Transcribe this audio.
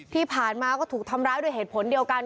ที่ผ่านมาก็ถูกทำร้ายด้วยเหตุผลเดียวกัน